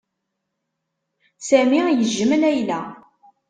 Sami yejjem Layla.